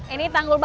ini tanggul berapa